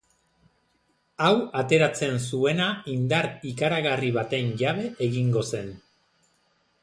Hau ateratzen zuena indar ikaragarri baten jabe egingo zen.